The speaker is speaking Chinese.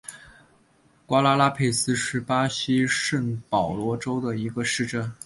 瓜拉拉佩斯是巴西圣保罗州的一个市镇。